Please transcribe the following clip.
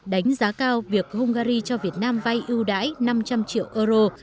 đánh giá cao việc hungary cho việt nam vay ưu đãi năm trăm linh triệu euro